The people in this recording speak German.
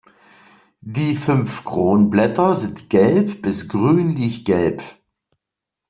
Die fünf Kronblätter sind gelb bis grünlich-gelb.